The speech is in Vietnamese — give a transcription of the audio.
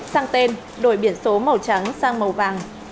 sang tên đổi biển số màu trắng sang màu vàng